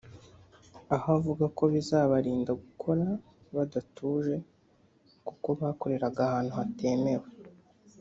aho bavuga ko bizabarinda gukora badatuje kuko bakoreraga ahantu hatemewe